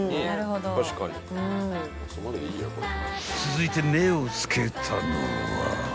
［続いて目を付けたのは？］